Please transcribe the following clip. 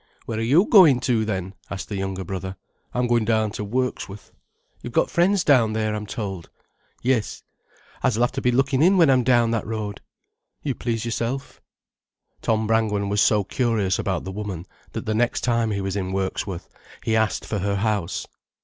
"Where are you going to, then?" asked the younger brother. "I'm going down to Wirksworth." "You've got friends down there, I'm told." "Yes." "I s'll have to be lookin' in when I'm down that road." "You please yourself." Tom Brangwen was so curious about the woman that the next time he was in Wirksworth he asked for her house.